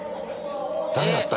⁉ダメだった？